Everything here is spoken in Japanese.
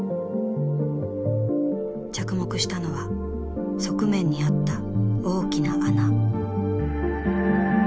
着目したのは側面にあった大きな穴。